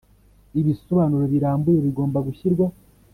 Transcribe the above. Ibisobanuro Birambuye Bigomba Gushyirwa